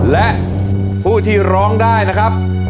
และผู้ที่ร้องได้นะครับ